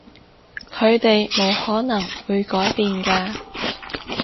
佢哋冇可能會改變㗎